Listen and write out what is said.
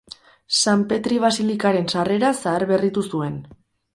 San Petri basilikaren sarrera zaharberritu zuen.